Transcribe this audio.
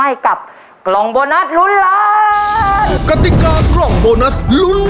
หัวหนึ่งหัวหนึ่ง